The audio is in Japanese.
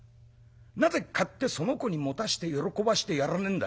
なぜ買ってその子に持たして喜ばしてやらねえんだよ。